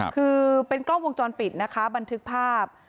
คือเป็นกล้องวงจรปิดนะคะบันทึกภาพ